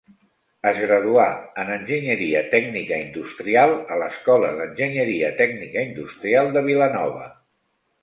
Es graduà en enginyeria tècnica industrial a l'Escola d’Enginyeria Tècnica Industrial de Vilanova.